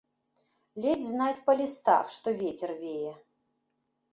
Ледзь знаць па лістах, што вецер вее.